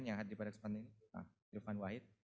yang hadir pada kesempatan ini